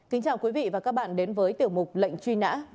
kính chào quý vị và các bạn đến với tiểu mục lệnh truy nã